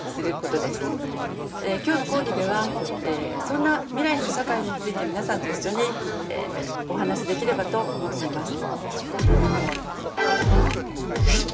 今日の講義ではそんな未来の社会について皆さんと一緒にお話しできればと思っています。